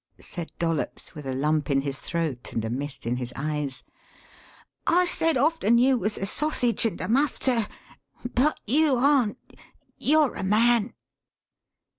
said Dollops with a lump in his throat and a mist in his eyes. "I said often you was a sosidge and a muff, sir, but you aren't you're a man!"